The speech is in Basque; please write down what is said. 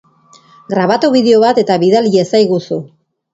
Grabatu bideo bat eta bidal iezaguzu!